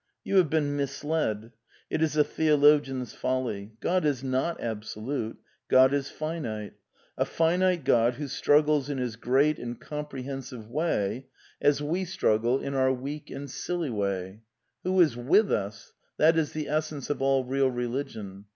You have been misled. It is a theologian's folly. God is not absolute; God is finite. ... A finite God who struggles in his great and comprehensive way as we struggle in 144 A DEFENCE OF IDEALISM our weak and silly way — Who is with us — that is the essence of all real religion.